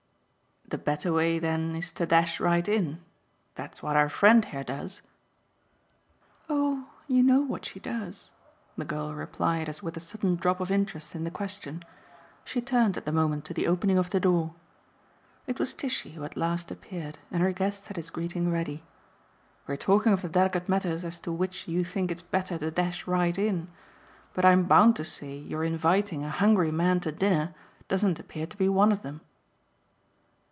"The better way then is to dash right in? That's what our friend here does?" "Oh you know what she does!" the girl replied as with a sudden drop of interest in the question. She turned at the moment to the opening of the door. It was Tishy who at last appeared, and her guest had his greeting ready. "We're talking of the delicate matters as to which you think it's better to dash right in; but I'm bound to say your inviting a hungry man to dinner doesn't appear to be one of them."